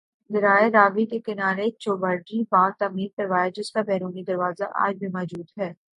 دریائے راوی کے کنارے چوبرجی باغ تعمیر کروایا جس کا بیرونی دروازہ آج بھی موجود ہے